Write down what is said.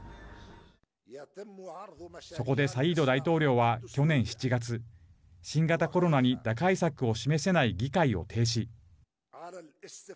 そこでサイード大統領は去年７月新型コロナに打開策を示せない議会を停止。